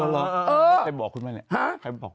รึรึไม่ฟัง